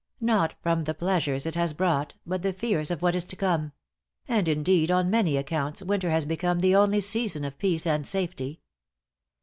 Not from the pleasures it has brought, but the fears of what is to come; and, indeed, on many accounts, winter has become the only season of peace and safety.